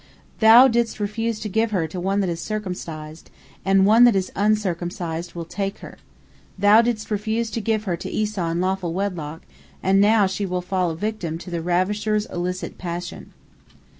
Thou didst refuse to give her to one that is circumcised, and one that is uncircumcised will take her. Thou didst refuse to give her to Esau in lawful wedlock, and now she will fall a victim to the ravisher's illicit passion."